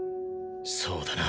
そうだな。